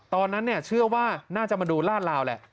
ตอนนั้นเชื่อว่าน่าจะมาดูลาดลาวแหละ